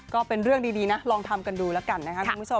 ก็เป็นเรื่องดีนะลองทำกันดูแล้วกันนะครับคุณผู้ชม